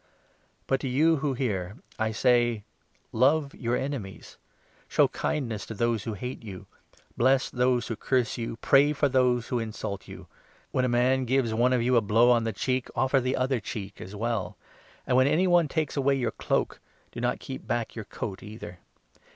The New ^ut to vou w^° hear I say — Love your enemies, 27 Law— show kindness to those who hate you, bless those 28 on Love, who curse you, pray for those who insult you. When a man gives one of you a blow on the cheek, offer the 29 on other cheek as well ; and, when any one takes Revenge, away your cloak, do not keep back your coat either.